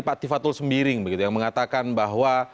pak tifatul sembiring begitu yang mengatakan bahwa